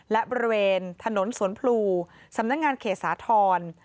และบริเวณถนนสวนพลูสำนักงานเขตสาธรณ์